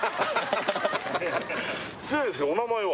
失礼ですけどお名前は？